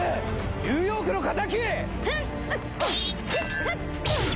ニューヨークの敵！